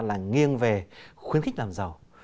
là nghiêng về khuyến khích làm giàu